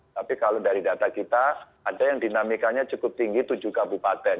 tapi kalau dari data kita ada yang dinamikanya cukup tinggi tujuh kabupaten